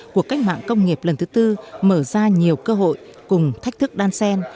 cuộc cách mạng công nghiệp lần thứ tư mở ra nhiều cơ hội cùng thách thức đan sen